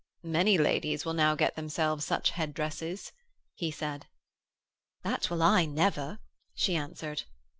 'Many ladies will now get themselves such headdresses,' he said. 'That will I never,' she answered.